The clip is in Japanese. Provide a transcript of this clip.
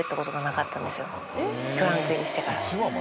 クランクインしてから。